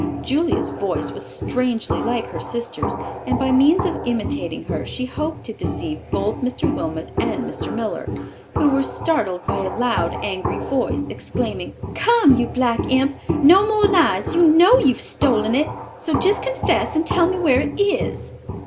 Julia's voice was strangely like her sister's, and by means of imitating her she hoped to deceive both Mr. Wilmot and Mr. Miller, who were startled by a loud, angry voice, exclaiming, "Come, you black imp, no more lies, you know you've stolen it, so just confess, and tell me where it is."